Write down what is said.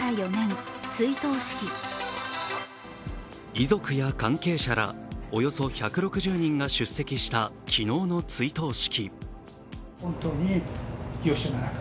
遺族や関係者らおよそ１６０人が出席した昨日の追悼式。